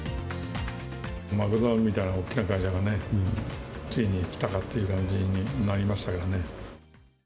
マクドナルドみたいな大きな会社がね、ついに来たかっていう感じになりましたよね。